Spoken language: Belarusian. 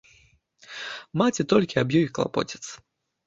Маці толькі аб ёй і клапоціцца.